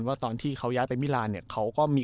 ว่าตอนที่เขาย้ายไปมิลานเนี่ยเขาก็มี